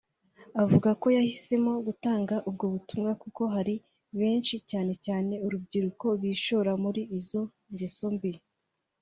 Avuga ko yahisemo gutanga ubwo butumwa kuko hari benshi cyane cyane urubyiruko bishora muri izo ngeso mbi